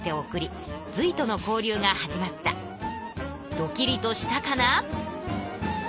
ドキリとしたかな？